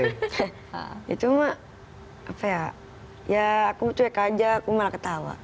itu mah apa ya ya aku cuek aja aku malah ketawa